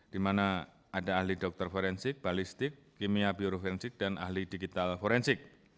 di mana ada ahli dokter forensik balistik kimia biologik dan ahli digital forensik